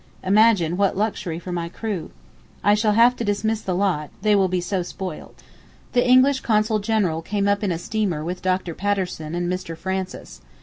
Imagine what luxury for my crew. I shall have to dismiss the lot, they will be so spoilt. The English Consul General came up in a steamer with Dr. Patterson and Mr. Francis.